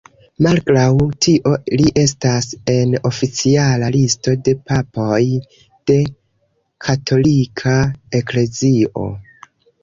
Malgraŭ tio, li estas en oficiala listo de papoj de katolika eklezio.